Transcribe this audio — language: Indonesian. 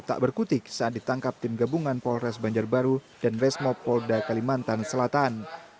tak berkutik saat ditangkap tim gabungan polres banjarbaru dan resmo polda kalimantan selatan